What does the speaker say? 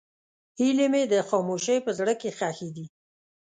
هیلې مې د خاموشۍ په زړه کې ښخې دي.